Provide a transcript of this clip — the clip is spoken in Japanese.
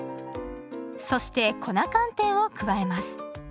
そして粉寒天を加えます。